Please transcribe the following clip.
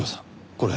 これ。